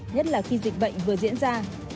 nhất là khi dịch bệnh vừa diễn ra